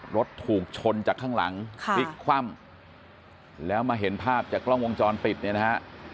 รถถูกชนจากข้างหลังพลิกคว่ำแล้วมาเห็นภาพจากกล้องวงจรปิดเนี่ยนะฮะ